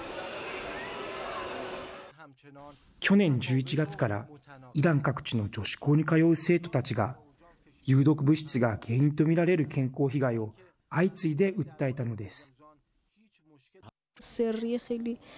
去年１１月からイラン各地の女子校に通う生徒たちが有毒物質が原因と見られる健康被害を相次いで訴えたのです。